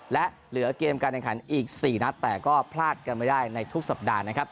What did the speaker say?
และเหลือเกมการแข่งขันอีก๔นัดแต่ก็พลาดกันไม่ได้ในทุกสัปดาห์นะครับ